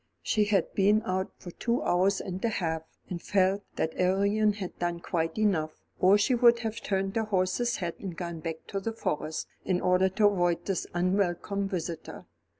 She had been out for two hours and a half, and felt that Arion had done quite enough, or she would have turned her horse's head and gone back to the Forest, in order to avoid this unwelcome visitor.